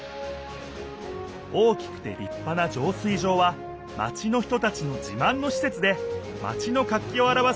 大きくてりっぱなじょう水場はマチの人たちのじまんのしせつでマチの活気をあらわす